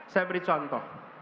saya beri contoh